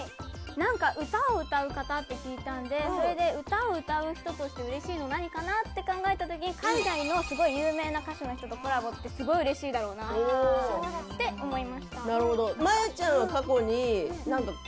なんか歌を歌う方って聞いたんでそれで歌を歌う人として嬉しいの何かなって考えた時に海外のすごい有名な歌手の人とコラボってすごい嬉しいだろうなって思いました。